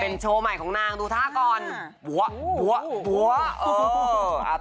โชว์ใหม่ของนางดูท่าก่อน